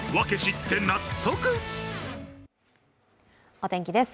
お天気です。